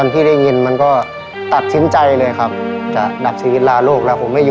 พอเดินเข้าบ้านค่ะหนูก็บอกว่า